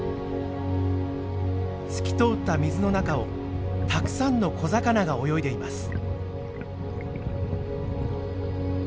透き通った水の中をたくさんの小魚が泳いでいます。